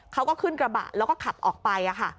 เขาก็ขึ้นกระบะแล้วก็ขับออกไป